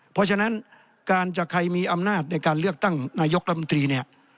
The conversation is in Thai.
เพราะฉะนั้นการจะใครมีอำนาจในการเลือกตั้งนายกรัฐมนตรีเนี่ย